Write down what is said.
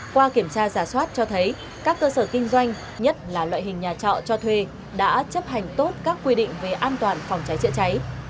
qua kiểm tra giả soát cho thấy các cơ sở kinh doanh nhất là loại hình nhà trọ cho thuê đã chấp hành tốt các quy định về an toàn phòng cháy chữa cháy